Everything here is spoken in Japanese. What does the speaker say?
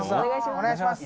「お願いします」